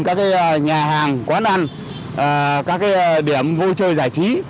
các nhà hàng quán ăn các điểm vui chơi giải trí